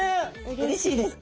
うれしいです。